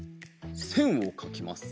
せんをかきます！